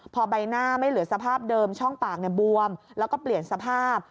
พอใบหน้าไม่เหลือสภาพเดิมช่องปากบวมแล้วก็เปลี่ยนสภาพ